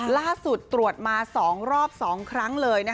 ล่าสุดตรวจมา๒รอบ๒ครั้งเลย